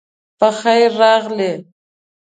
پخير راغلئ